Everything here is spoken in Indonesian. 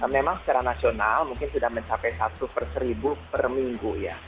memang secara nasional mungkin sudah mencapai satu per seribu per minggu ya